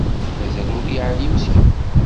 Mazal ur yeεlim s kra.